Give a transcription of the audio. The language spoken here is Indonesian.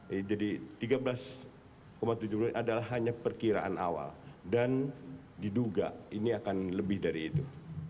jadi rp tiga belas tujuh triliun adalah hanya perkiraan awal dan diduga ini akan lebih dari itu